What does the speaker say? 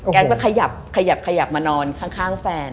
แก้มก็ขยับมานอนข้างแฟน